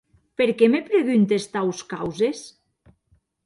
Per qué me preguntes taus causes?